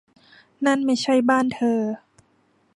นั่นไม่ใช่บ้านเธอ